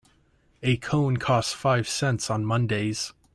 A cone costs five cents on Mondays.